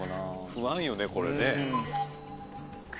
不安よねこれね。